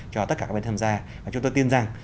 cho tất cả các bên tham gia và chúng tôi tin rằng